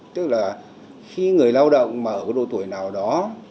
tức là khi người lao động mà ở độ tuổi nào đó